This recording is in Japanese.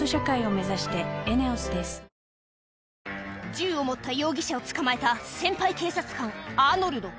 銃を持った容疑者を捕まえた先輩警察官、アーノルド。